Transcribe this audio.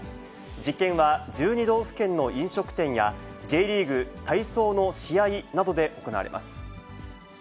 実験は１２道府県の飲食店や、Ｊリーグ、体操の試合などで行われます。